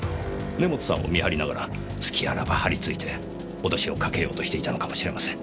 根元さんを見張りながら隙あらば張り付いて脅しをかけようとしていたのかもしれません。